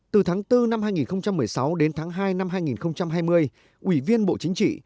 từ tháng bốn năm hai nghìn một mươi sáu đến tháng hai năm hai nghìn hai mươi ủy viên bộ chính trị